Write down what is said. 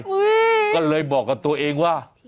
อื้มโว้ยก็เลยบอกกับตัวเองว่า